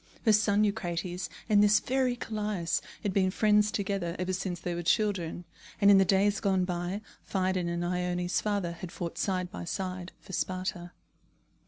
Her son Eucrates and this very Callias had been friends together ever since they were children; and in the days gone by, Phidon and Ione's father had fought side by side for Sparta.